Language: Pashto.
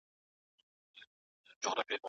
دا ځل د ژمي موسم د تېرو کلونو په پرتله ډېر سوړ دی.